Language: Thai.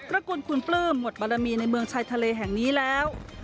กุลคุณปลื้มหมดบารมีในเมืองชายทะเลแห่งนี้แล้ว